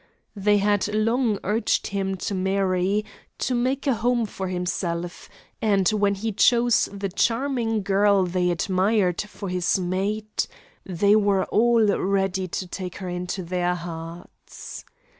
They had long urged him to marry, to make a home for himself; and when he chose the charming girl they admired for his mate, they were all ready to take her into their hearts.